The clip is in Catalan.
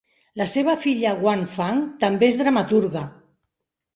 La seva filla Wan Fang també és dramaturga.